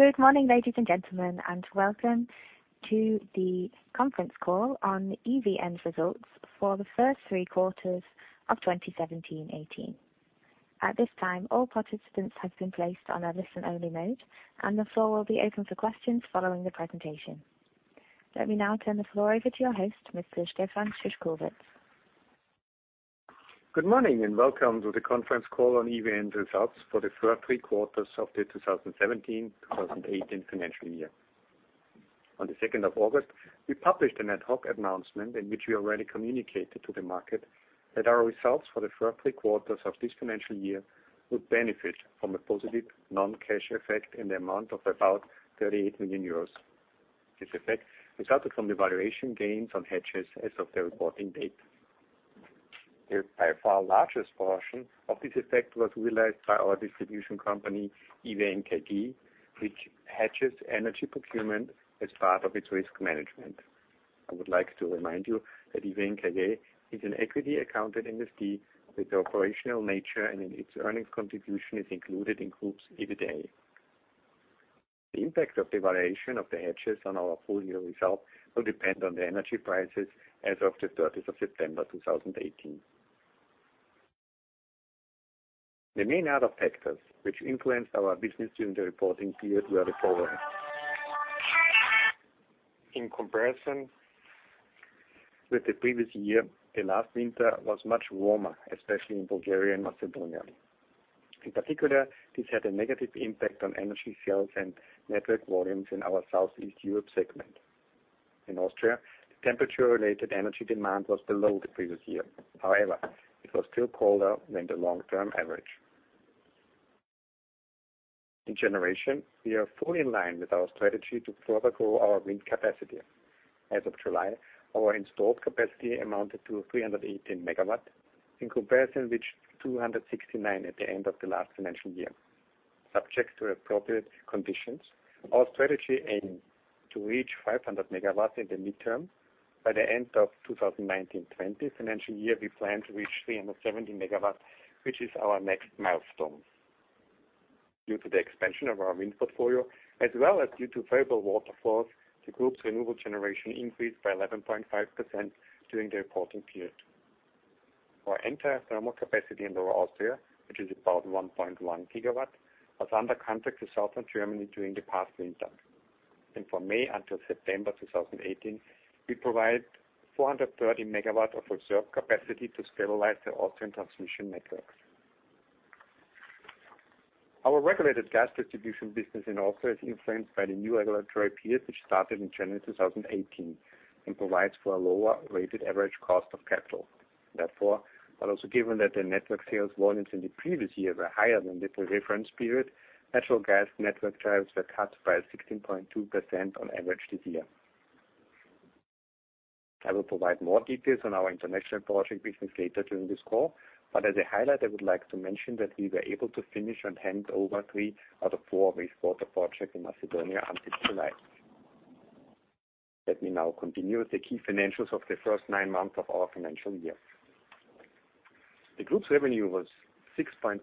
Good morning, ladies and gentlemen, and welcome to the conference call on EVN's results for the first three quarters of 2017/18. At this time, all participants have been placed on a listen-only mode, and the floor will be open for questions following the presentation. Let me now turn the floor over to your host, Mr. Stefan Szyszkowitz. Good morning and welcome to the conference call on EVN's results for the first three quarters of the 2017/2018 financial year. On the 2nd of August, we published an ad hoc announcement in which we already communicated to the market that our results for the first three quarters of this financial year would benefit from a positive non-cash effect in the amount of about 38 million euros. This effect resulted from the valuation gains on hedges as of the reporting date. The by far largest portion of this effect was realized by our distribution company, EVN KG, which hedges energy procurement as part of its risk management. I would like to remind you that EVN KG is an equity accounted entity with the operational nature and its earnings contribution is included in group's EBITDA. The impact of the valuation of the hedges on our full year results will depend on the energy prices as of the 30th of September 2018. The main other factors which influenced our business during the reporting period were the following. In comparison with the previous year, the last winter was much warmer, especially in Bulgaria and Macedonia. In particular, this had a negative impact on energy sales and network volumes in our Southeast Europe segment. In Austria, the temperature-related energy demand was below the previous year. It was still colder than the long-term average. In generation, we are fully in line with our strategy to further grow our wind capacity. As of July, our installed capacity amounted to 318 megawatts, in comparison with 269 at the end of the last financial year. Subject to appropriate conditions, our strategy aims to reach 500 megawatts in the midterm. By the end of 2019/20 financial year, we plan to reach 370 megawatts, which is our next milestone. Due to the expansion of our wind portfolio, as well as due to favorable water flows, the group's renewable generation increased by 11.5% during the reporting period. Our entire thermal capacity in Lower Austria, which is about 1.1 gigawatts, was under contract to Southern Germany during the past winter, and from May until September 2018, we provide 430 megawatts of reserve capacity to stabilize the Austrian transmission networks. Our regulated gas distribution business in Austria is influenced by the new regulatory period, which started in January 2018, and provides for a lower weighted average cost of capital. Therefore, also given that the network sales volumes in the previous year were higher than the reference period, natural gas network charges were cut by 16.2% on average this year. I will provide more details on our international project business later during this call, but as a highlight, I would like to mention that we were able to finish and hand over three out of four waste water projects in Macedonia until July. Let me now continue with the key financials of the first nine months of our financial year. The group's revenue was 6.5%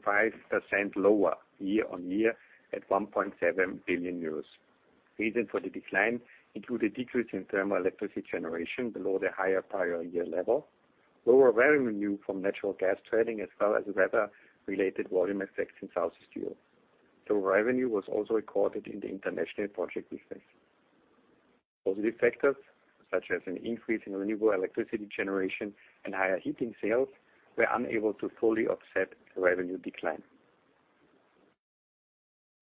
lower year on year at 1.7 billion euros. Reason for the decline included decrease in thermal electricity generation below the higher prior year level, lower revenue from natural gas trading, as well as weather-related volume effects in Southeast Europe. Lower revenue was also recorded in the international project business. Positive factors, such as an increase in renewable electricity generation and higher heating sales, were unable to fully offset the revenue decline.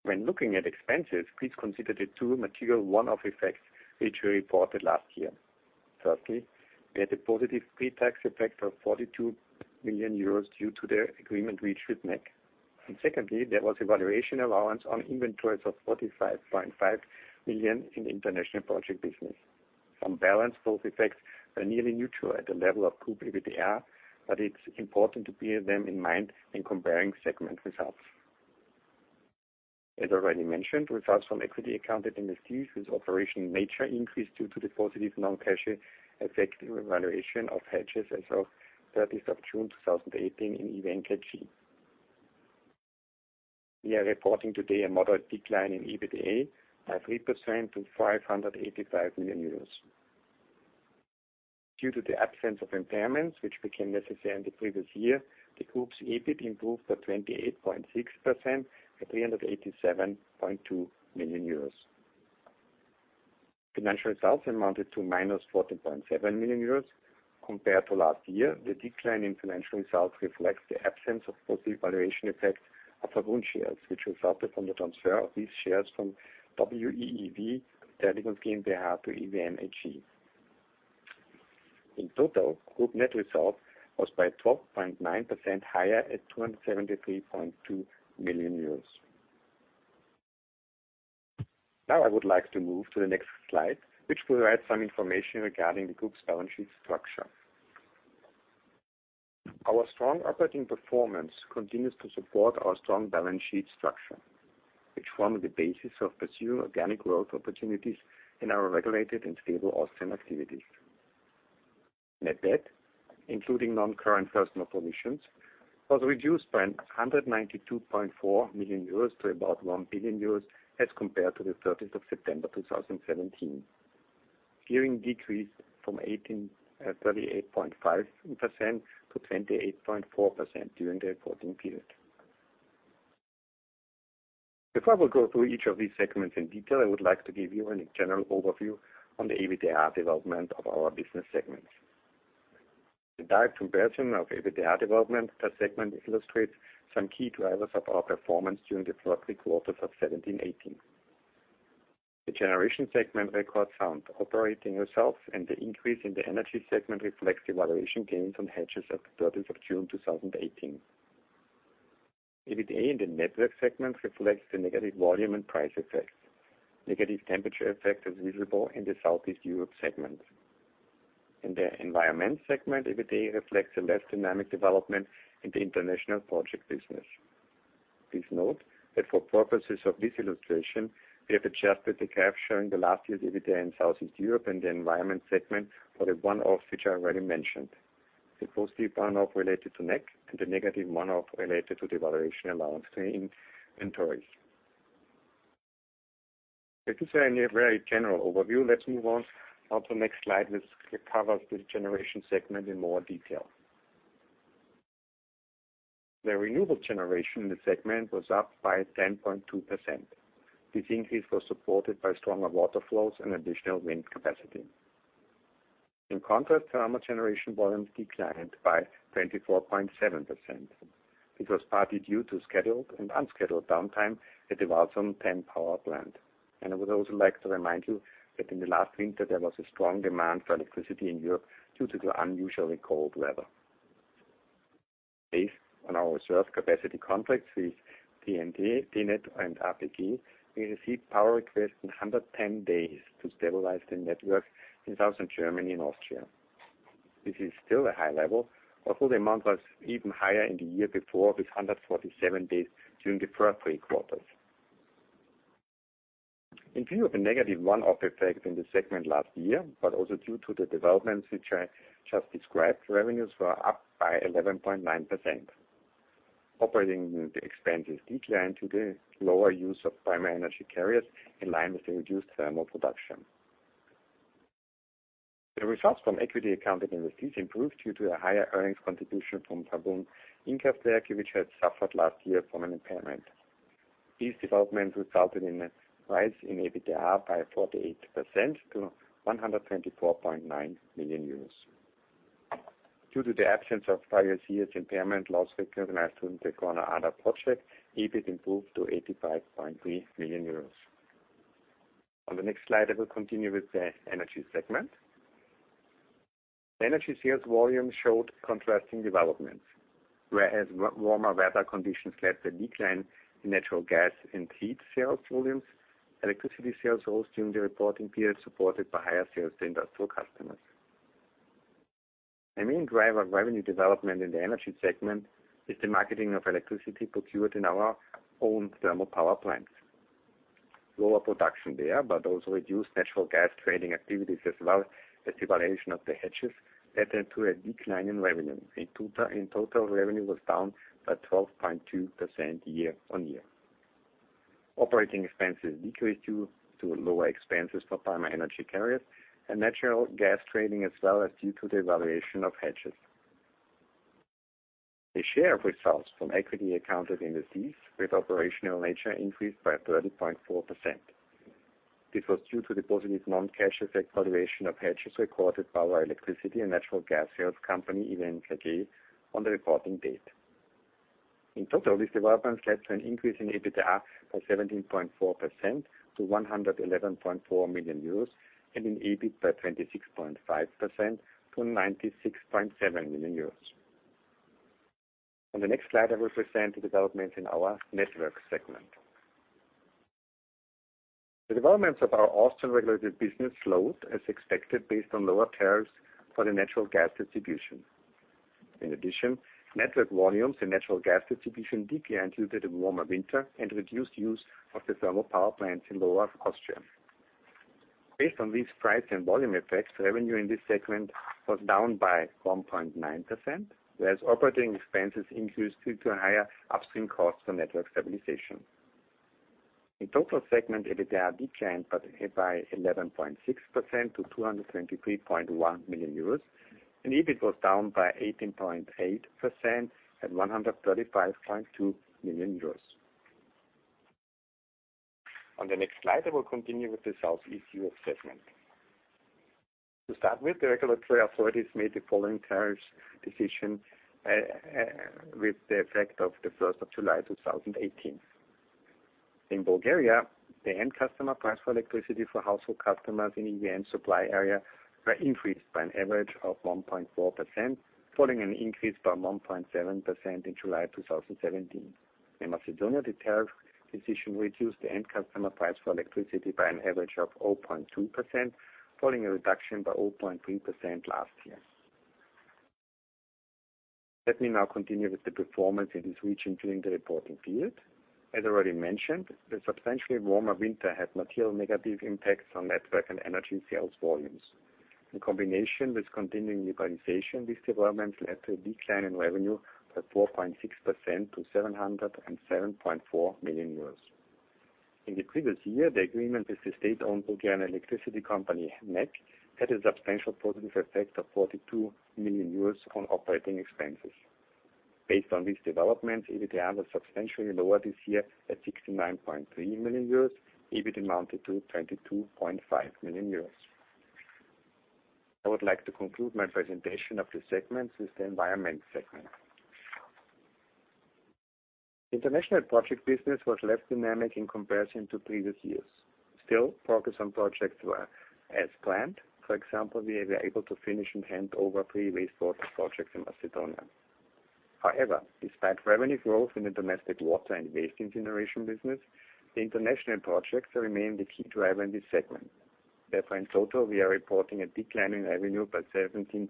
When looking at expenses, please consider the two material one-off effects which we reported last year. Firstly, we had a positive pre-tax effect of 42 million euros due to the agreement reached with NEK. Secondly, there was a valuation allowance on inventories of 45.5 million in the international project business. On balance, those effects are nearly neutral at the level of group EBITDA, but it's important to bear them in mind when comparing segment results. As already mentioned, results from equity accounted entities with operational nature increased due to the positive non-cash effect in valuation of hedges as of 30th of June 2018 in EVN KG. We are reporting today a moderate decline in EBITDA by 3% to 585 million euros. Due to the absence of impairments, which became necessary in the previous year, the group's EBIT improved by 28.6% to 387.2 million euros. Financial results amounted to minus 14.7 million euros. Compared to last year, the decline in financial results reflects the absence of positive valuation effects of Verbund shares, which resulted from the transfer of these shares from WEEV Holding GmbH to EVN AG. In total, group net result was by 12.9% higher at EUR 273.2 million. Now I would like to move to the next slide, which provides some information regarding the group's balance sheet structure. Our strong operating performance continues to support our strong balance sheet structure, which form the basis of pursuing organic growth opportunities in our regulated and stable Austrian activities. Net debt, including non-current personal provisions, was reduced by 192.4 million euros to about 1 billion euros as compared to the 30th of September 2017. Gearing decreased from 38.5% to 28.4% during the reporting period. Before we go through each of these segments in detail, I would like to give you a general overview on the EBITDA development of our business segments. The dive comparison of EBITDA development per segment illustrates some key drivers of our performance during the first three quarters of 17/18. The generation segment records sound operating results, and the increase in the energy segment reflects the valuation gains on hedges at the 30th of June 2018. EBITDA in the network segment reflects the negative volume and price effects. Negative temperature effect is visible in the Southeast Europe segment. In the environment segment, EBITDA reflects a less dynamic development in the international project business. Please note that for purposes of this illustration, we have adjusted the graph showing the last year's EBITDA in Southeast Europe and the environment segment for the one-off, which I already mentioned. The positive one-off related to NEK and the negative one-off related to the valuation allowance in inventories. This is a very general overview. Let's move on to the next slide, which covers the generation segment in more detail. The renewable generation in the segment was up by 10.2%. This increase was supported by stronger water flows and additional wind capacity. In contrast, thermal generation volumes declined by 24.7%. It was partly due to scheduled and unscheduled downtime at the Walsum power plant. I would also like to remind you that in the last winter, there was a strong demand for electricity in Europe due to the unusually cold weather. Based on our reserve capacity contracts with TenneT and APG, we received power requests in 110 days to stabilize the network in Southern Germany and Austria. This is still a high level, although the amount was even higher in the year before, with 147 days during the first three quarters. Also due to the developments which I just described, revenues were up by 11.9%. Operating expenses declined due to lower use of primary energy carriers in line with the reduced thermal production. The results from equity accounted investments improved due to a higher earnings contribution from [Taboon] in Austria, which had suffered last year from an impairment. These developments resulted in a rise in EBITDA by 48% to 124.9 million euros. Due to the absence of prior year's impairment loss recognized under corner other project, EBIT improved to 85.3 million euros. On the next slide, I will continue with the energy segment. Energy sales volume showed contrasting developments. Whereas warmer weather conditions led to a decline in natural gas and heat sales volumes, electricity sales rose during the reporting period, supported by higher sales to industrial customers. The main driver of revenue development in the energy segment is the marketing of electricity procured in our own thermal power plants. Lower production there, but also reduced natural gas trading activities, as well as the valuation of the hedges, led then to a decline in revenue. In total, revenue was down by 12.2% year on year. Operating expenses decreased due to lower expenses for primary energy carriers and natural gas trading as well as due to the valuation of hedges. The share of results from equity accounted entities with operational nature increased by 30.4%. This was due to the positive non-cash effect valuation of hedges recorded by our electricity and natural gas sales company, EVN AG, on the reporting date. In total, these developments led to an increase in EBITDA by 17.4% to 111.4 million euros and in EBIT by 26.5% to 96.7 million euros. On the next slide, I will present the development in our network segment. The developments of our Austrian regulated business slowed as expected, based on lower tariffs for the natural gas distribution. In addition, network volumes and natural gas distribution declined due to the warmer winter and reduced use of the thermal power plants in Lower Austria. Based on these price and volume effects, revenue in this segment was down by 1.9%, whereas operating expenses increased due to higher upstream costs for network stabilization. In total, segment EBITDA declined by 11.6% to 223.1 million euros, and EBIT was down by 18.8% at 135.2 million euros. On the next slide, I will continue with the Southeast Europe segment. To start with, the regulatory authorities made the following tariffs decision with the effect of the 1st of July 2018. In Bulgaria, the end customer price for electricity for household customers in EVN supply area were increased by an average of 1.4%, following an increase by 1.7% in July 2017. In Macedonia, the tariff decision reduced the end customer price for electricity by an average of 0.2%, following a reduction by 0.3% last year. Let me now continue with the performance in this region during the reporting period. As already mentioned, the substantially warmer winter had material negative impacts on network and energy sales volumes. In combination with continuing liberalization, these developments led to a decline in revenue by 4.6% to 707.4 million euros. In the previous year, the agreement with the state-owned Bulgarian electricity company, NEK, had a substantial positive effect of 42 million euros on operating expenses. Based on these developments, EBITDA was substantially lower this year at 69.3 million euros. EBIT amounted to 22.5 million euros. I would like to conclude my presentation of the segments with the environment segment. International project business was less dynamic in comparison to previous years. Still, progress on projects were as planned. For example, we were able to finish and hand over three wastewater projects in Macedonia. However, despite revenue growth in the domestic water and waste incineration business, the international projects remain the key driver in this segment. Therefore, in total, we are reporting a decline in revenue by 17.5%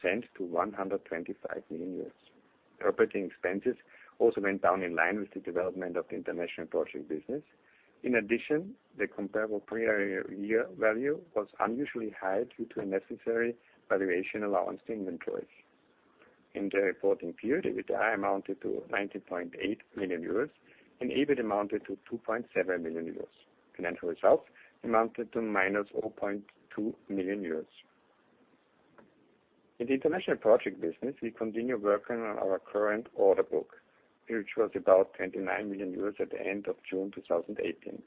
to 125 million euros. Operating expenses also went down in line with the development of the international project business. In addition, the comparable prior year value was unusually high due to a necessary valuation allowance to inventories. In the reporting period, EBITDA amounted to 19.8 million euros, and EBIT amounted to 2.7 million euros. Financial results amounted to minus 0.2 million euros. In the international project business, we continue working on our current order book, which was about 29 million euros at the end of June 2018.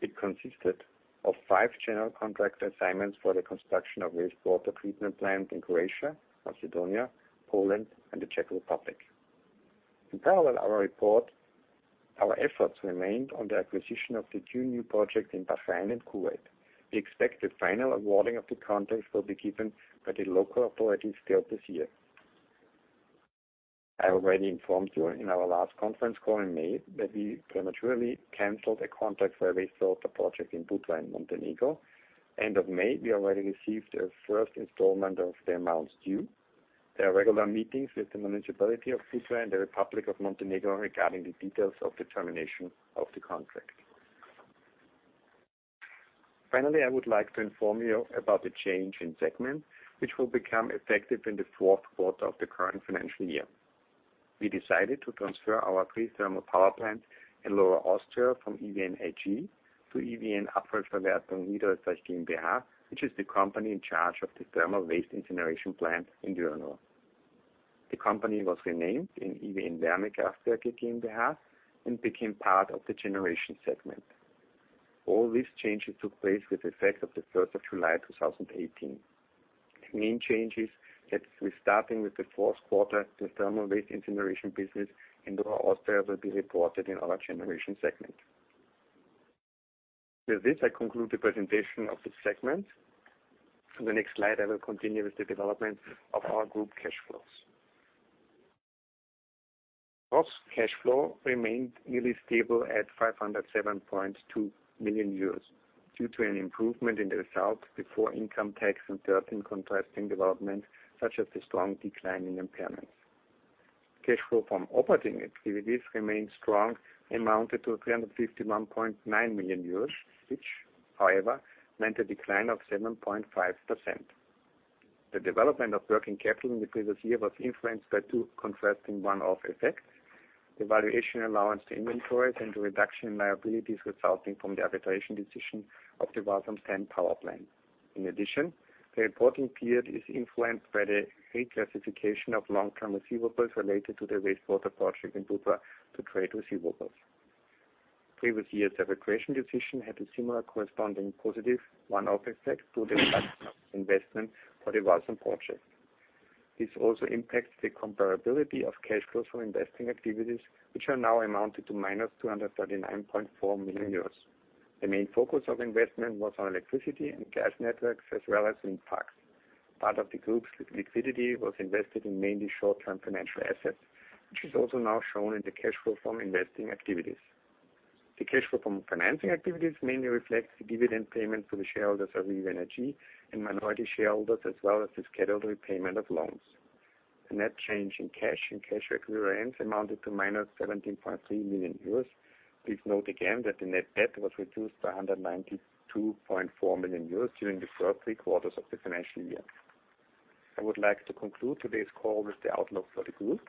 It consisted of five general contract assignments for the construction of wastewater treatment plant in Croatia, Macedonia, Poland, and the Czech Republic. In parallel, our efforts remained on the acquisition of the two new projects in Bahrain and Kuwait. We expect the final awarding of the contracts will be given by the local authorities still this year. I already informed you in our last conference call in May that we prematurely canceled a contract for a wastewater project in Budva and Montenegro. End of May, we already received a first installment of the amounts due. There are regular meetings with the municipality of Budva and the Republic of Montenegro regarding the details of the termination of the contract. Finally, I would like to inform you about the change in segment, which will become effective in the fourth quarter of the current financial year. We decided to transfer our three thermal power plants in Lower Austria from EVN AG to EVN Abfallverwertung Niederösterreich GmbH, which is the company in charge of the thermal waste incineration plant in Dürnrohr. The company was renamed in EVN Wärmekraftwerke GmbH and became part of the generation segment. All these changes took place with effect of the 3rd of July, 2018. The main change is that we're starting with the fourth quarter, the thermal waste incineration business in Lower Austria will be reported in our generation segment. With this, I conclude the presentation of the segment. In the next slide, I will continue with the development of our group cash flows. Group's cash flow remained nearly stable at 507.2 million euros due to an improvement in the result before income tax and certain contrasting developments, such as the strong decline in impairments. Cash flow from operating activities remained strong, amounted to 351.9 million euros, which, however, meant a decline of 7.5%. The development of working capital in the previous year was influenced by two contrasting one-off effects, the valuation allowance to inventories, and the reduction in liabilities resulting from the arbitration decision of the Walsum 10 power plant. In addition, the reporting period is influenced by the reclassification of long-term receivables related to the wastewater project in Budva to trade receivables. Previous years, the arbitration decision had a similar corresponding positive one-off effect to the reduction of investment for the Walsum project. This also impacts the comparability of cash flows from investing activities, which are now amounted to minus 239.4 million euros. The main focus of investment was on electricity and gas networks, as well as in park. Part of the group's liquidity was invested in mainly short-term financial assets, which is also now shown in the cash flow from investing activities. The cash flow from financing activities mainly reflects the dividend payment to the shareholders of EVN AG and minority shareholders, as well as the scheduled repayment of loans. The net change in cash and cash equivalents amounted to minus 17.3 million euros. Please note again that the net debt was reduced to 192.4 million euros during the first three quarters of the financial year. I would like to conclude today's call with the outlook for the group.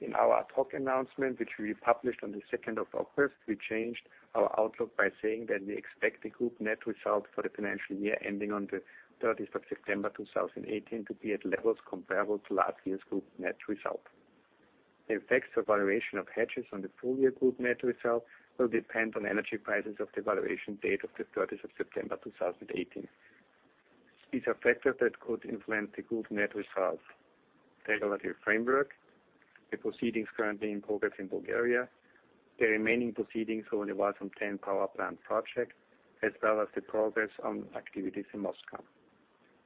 In our ad hoc announcement, which we published on the 2nd of August, we changed our outlook by saying that we expect the group net result for the financial year ending on the 30th of September 2018 to be at levels comparable to last year's group net result. The effects of valuation of hedges on the full year group net result will depend on energy prices of the valuation date of the 30th of September 2018. These are factors that could influence the group net result. Regulatory framework, the proceedings currently in progress in Bulgaria, the remaining proceedings on the Walsum 10 power plant project, as well as the progress on activities in Moscow.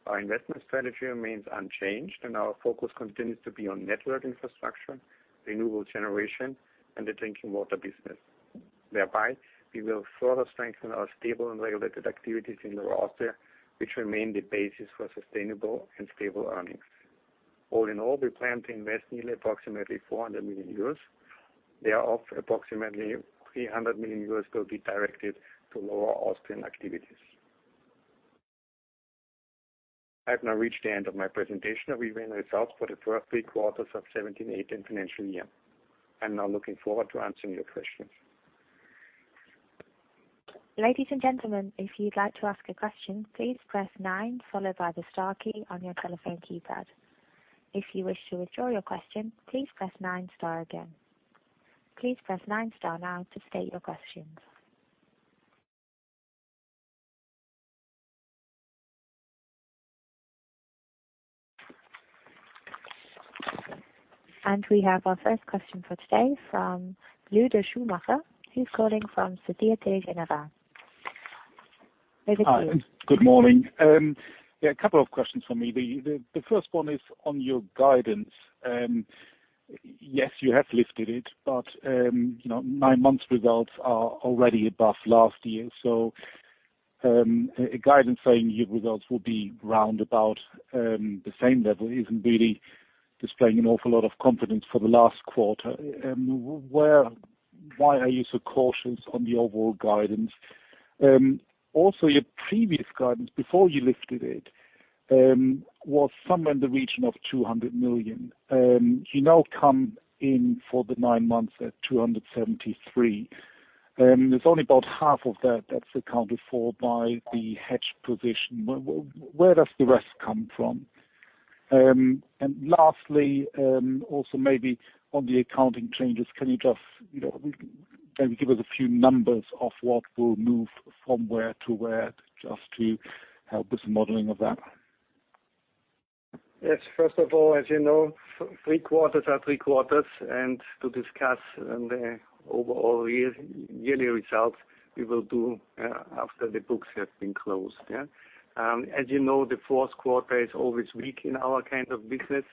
Our investment strategy remains unchanged, and our focus continues to be on network infrastructure, renewable generation, and the drinking water business. Thereby, we will further strengthen our stable and regulated activities in Lower Austria, which remain the basis for sustainable and stable earnings. All in all, we plan to invest nearly approximately 400 million euros. Thereof, approximately 300 million euros will be directed to Lower Austrian activities. I have now reached the end of my presentation of EVN results for the first three quarters of the 2017/2018 financial year. I'm now looking forward to answering your questions. Ladies and gentlemen, if you'd like to ask a question, please press nine, followed by the star key on your telephone keypad. If you wish to withdraw your question, please press nine star again. Please press nine star now to state your questions. We have our first question for today from Ludwig Schumacher, who's calling from Erste Group in Vienna. Over to you. Hi. Good morning. A couple of questions from me. The first one is on your guidance. Yes, you have lifted it, but nine months results are already above last year. A guidance saying your results will be round about the same level isn't really displaying an awful lot of confidence for the last quarter. Why are you so cautious on the overall guidance? Also, your previous guidance, before you lifted it, was somewhere in the region of 200 million. You now come in for the nine months at 273. There's only about half of that's accounted for by the hedge position. Where does the rest come from? Lastly, also maybe on the accounting changes, can you just maybe give us a few numbers of what will move from where to where, just to help with the modeling of that. Yes. First of all, as you know, three quarters are three quarters. To discuss the overall yearly results, we will do after the books have been closed. As you know, the fourth quarter is always weak in our kind of business.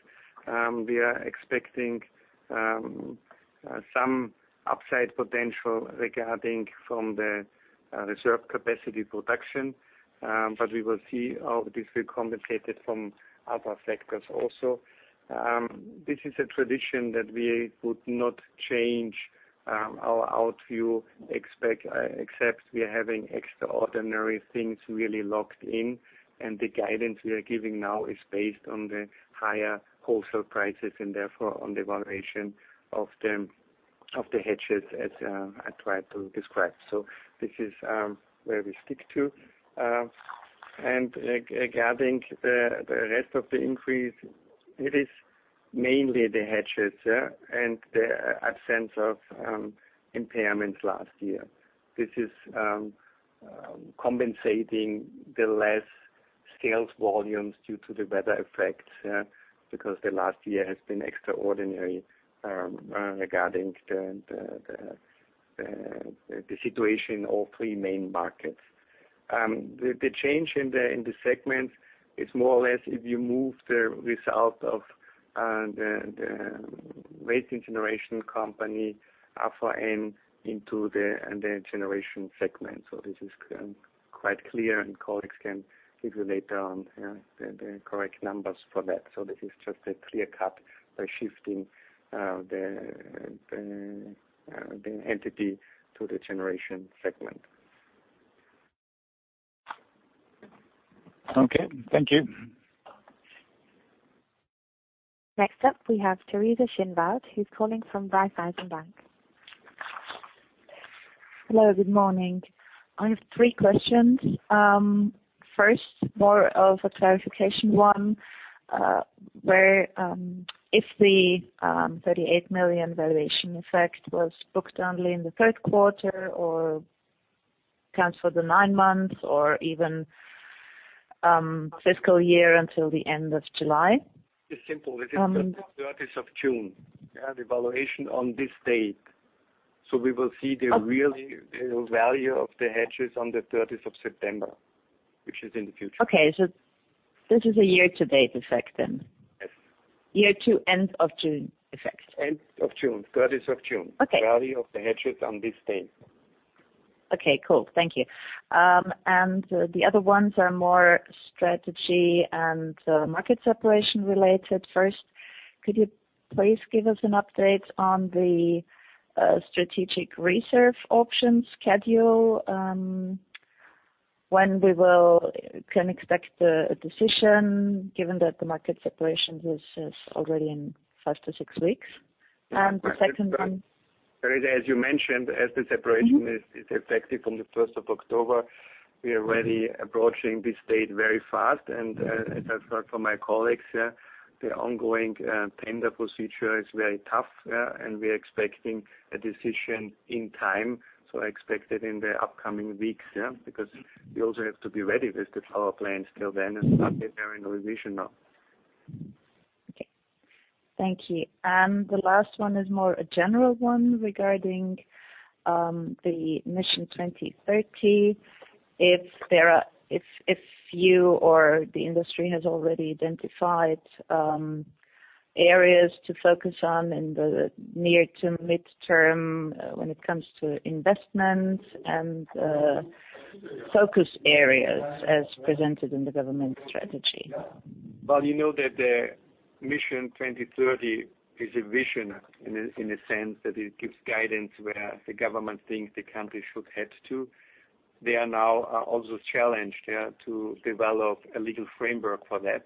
We are expecting some upside potential regarding from the reserve capacity production. We will see how this will be compensated from other factors also. This is a tradition that we would not change our outlook, except we are having extraordinary things really locked in. The guidance we are giving now is based on the higher wholesale prices and therefore on the valuation of the hedges as I tried to describe. This is where we stick to. Regarding the rest of the increase, it is mainly the hedges, and the absence of impairments last year. This is compensating the less scales volumes due to the weather effects, because the last year has been extraordinary regarding the situation in all three main markets. The change in the segments is more or less if you move the result of the waste incineration company, AVN, into the generation segment. This is quite clear and colleagues can give you later on the correct numbers for that. This is just a clear cut by shifting the entity to the generation segment. Okay. Thank you. Next up, we have Teresa Schinwald, who's calling from Raiffeisen Bank. Hello, good morning. I have three questions. First, more of a clarification one, where if the 38 million valuation effect was booked only in the third quarter or counts for the nine months or even fiscal year until the end of July. It's simple. It is 30th of June. The valuation on this date. We will see the real value of the hedges on the 30th of September, which is in the future. Okay. This is a year to date effect then. Yes. Year to end of June effect. End of June, 30th of June. Okay. Value of the hedges on this date. Okay, cool. Thank you. The other ones are more strategy and market separation related. First, could you please give us an update on the strategic reserve options schedule, when we can expect a decision given that the market separation is already in less than six weeks. The second thing. Teresa, as you mentioned, as the separation is effective from the 1st of October, we are already approaching this date very fast. As I've heard from my colleagues, the ongoing tender procedure is very tough, and we are expecting a decision in time. Expect it in the upcoming weeks. Because we also have to be ready with the power plants till then and start the preparation now. Okay. Thank you. The last one is more a general one regarding the #mission2030. If you or the industry has already identified areas to focus on in the near to midterm when it comes to investments and focus areas as presented in the government strategy. Well, you know that the #mission2030 is a vision in a sense that it gives guidance where the government thinks the country should head to. They are now also challenged to develop a legal framework for that.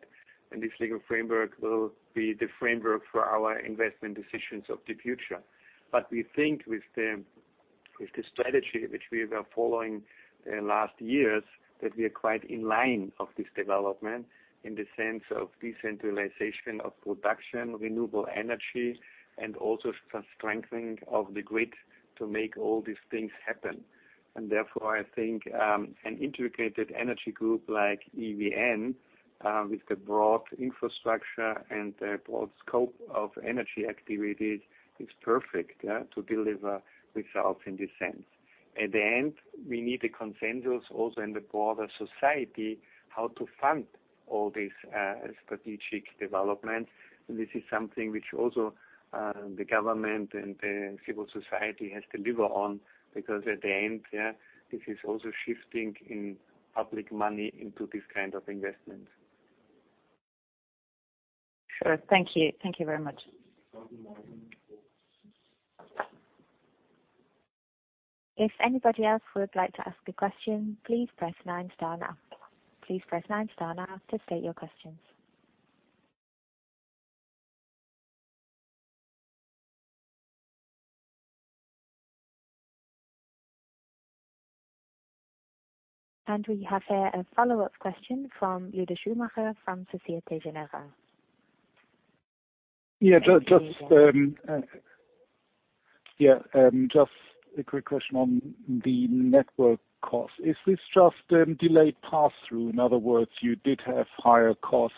This legal framework will be the framework for our investment decisions of the future. We think with the strategy which we were following in last years, that we are quite in line of this development in the sense of decentralization of production, renewable energy, and also strengthening of the grid to make all these things happen. Therefore, I think an integrated energy group like EVN with the broad infrastructure and the broad scope of energy activities is perfect to deliver results in this sense. At the end, we need a consensus also in the broader society how to fund all these strategic developments. This is something which also the government and civil society has to deliver on, because at the end, this is also shifting in public money into this kind of investment. Sure. Thank you. Thank you very much. If anybody else would like to ask a question, please press star nine now. Please press star nine now to state your questions. We have a follow-up question from Lueder Schumacher from Société Générale. Yeah. Just a quick question on the network cost. Is this just delayed passthrough? In other words, you did have higher costs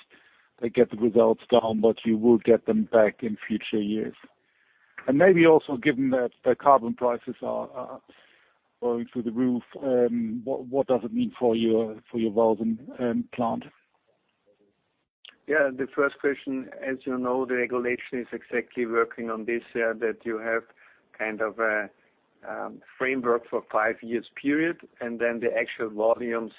that get the results down, but you will get them back in future years. Maybe also given that the carbon prices are going through the roof, what does it mean for your Walsum plant? The first question, as you know, the regulation is exactly working on this, that you have kind of a framework for 5-year period, then the actual volumes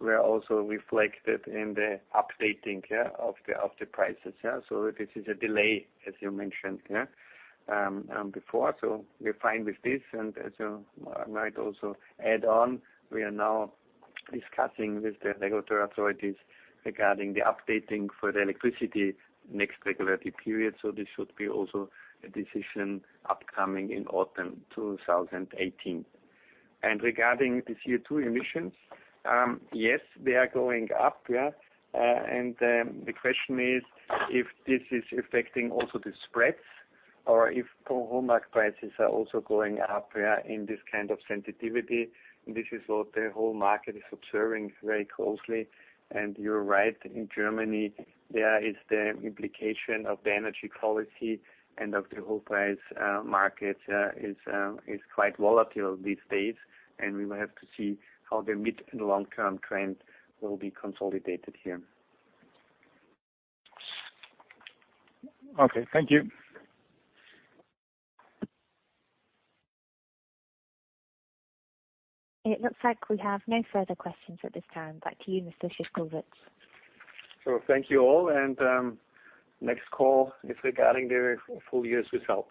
were also reflected in the updating of the prices. This is a delay, as you mentioned before. We're fine with this, and as you might also add on, we are now discussing with the regulatory authorities regarding the updating for the electricity next regulatory period. This should be also a decision upcoming in autumn 2018. Regarding the CO2 emissions, yes, they are going up. The question is if this is affecting also the spreads or if wholesale market prices are also going up in this kind of sensitivity. This is what the whole market is observing very closely. You're right, in Germany, there is the implication of the energy policy and of the wholesale price market is quite volatile these days, and we will have to see how the mid- and long-term trends will be consolidated here. Okay. Thank you. It looks like we have no further questions at this time. Back to you, Mr. Szyszkowitz. Thank you all. Next call is regarding the full year's results.